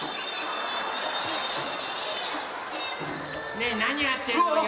ねえなにやってんのよ？